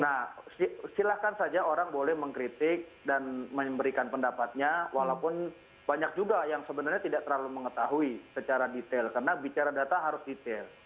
nah silahkan saja orang boleh mengkritik dan memberikan pendapatnya walaupun banyak juga yang sebenarnya tidak terlalu mengetahui secara detail karena bicara data harus detail